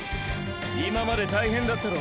今まで大変だったろ。